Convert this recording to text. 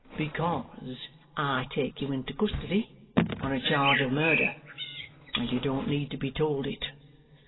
"Because I take you into custody on a charge of murder, and you don't need to be told it.